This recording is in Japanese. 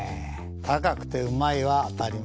高くてうまいは当たり前。